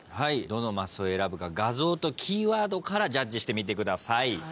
どのマスを選ぶか画像とキーワードからジャッジしてみてください。